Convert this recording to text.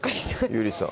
ゆりさん